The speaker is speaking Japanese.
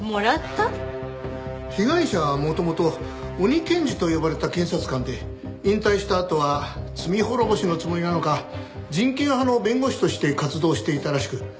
被害者は元々鬼検事と呼ばれた検察官で引退したあとは罪滅ぼしのつもりなのか人権派の弁護士として活動していたらしく